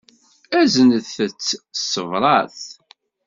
Aznet-tt s tebṛat.